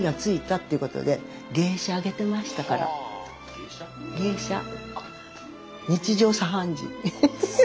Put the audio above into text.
芸者日常茶飯事。